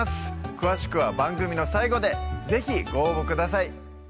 詳しくは番組の最後で是非ご応募ください